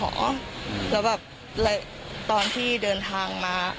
แล้วแบบตอนที่เดินทางมา